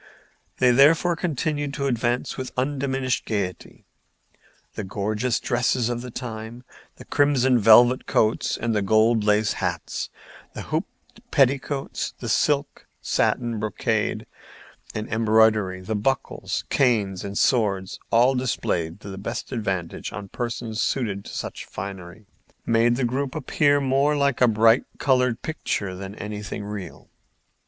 They therefore continued to advance with undiminished gayety. The gorgeous dresses of the time—the crimson velvet coats, the gold laced hats, the hoop petticoats, the silk, satin, brocade and embroidery, the buckles, canes and swords, all displayed to the best advantage on persons suited to such finery—made the group appear more like a bright colored picture than anything real.